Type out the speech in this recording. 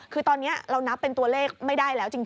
คือตอนนี้เรานับเป็นตัวเลขไม่ได้แล้วจริง